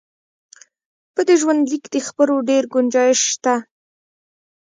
په دې ژوندلیک د خبرو ډېر ګنجایش شته.